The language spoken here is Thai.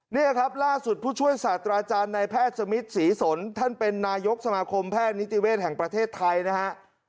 นี่ครับล่าสุดผู้ช่วยศาสตราจารย์ในแพทย์สมิทศรีสนท่านเป็นนายกสมาคมแพทย์นิติเวศแห่งประเทศไทยนะฮะ